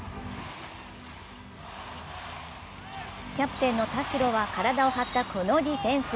キャプテンの田代は体を張ったこのディフェンス。